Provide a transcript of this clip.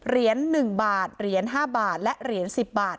เหรียญหนึ่งบาทเหรียญห้าบาทและเหรียญสิบบาท